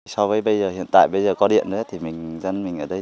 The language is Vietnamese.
so với bây giờ hiện tại bây giờ có điện dân mình ở đây